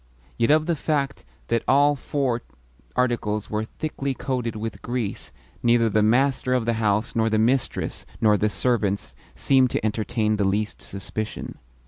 Yet of the fact that all four articles were thickly coated with grease neither the master of the house nor the mistress nor the servants seemed to entertain the least suspicion.